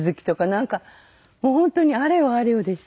なんかもう本当にあれよあれよでした。